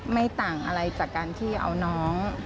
ไม่ต่างอะไรจากการที่เอาน้อง